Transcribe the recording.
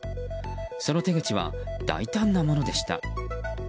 その手口は大胆なものでした。